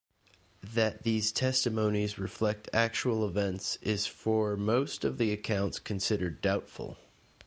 That these testimonies reflect actual events is for most of the accounts considered doubtful.